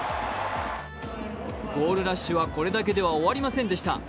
ゴールラッシュはこれだけでは終わりませんでした。